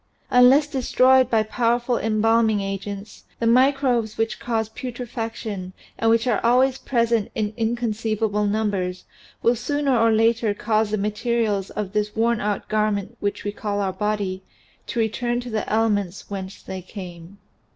Unless destroyed by powerful embalming agents the microbes which cause putrefaction and which are always present in inconceivable numbers will sooner or later cause the materials of this worn out garment which we call our body to return to the elements whence they came.